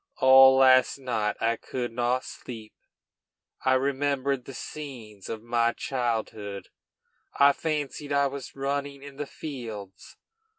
All last night I could not sleep; I remembered the scenes of my childhood; I fancied I was running in the fields.